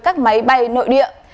các máy bay nội địa